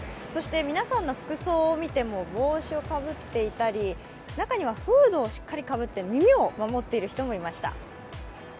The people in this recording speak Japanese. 皆さんの服装を見ても帽子をかぶっていたり中にはフードをしっかりかぶって耳を守ってる人もいました。